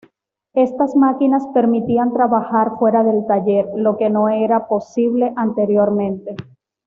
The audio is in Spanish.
Estas máquinas permitían trabajar fuera del taller, lo que no era posible anteriormente.